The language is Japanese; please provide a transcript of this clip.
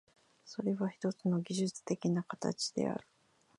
それはひとつの技術的な形である。